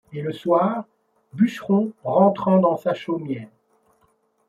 Et le soir, bûcheron rentrant dans sa chaumière